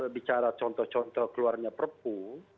bicara contoh contoh keluarnya perpu